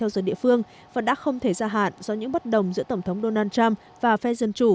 giữa tổng thống donald trump và phe dân chủ